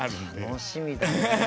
楽しみだね。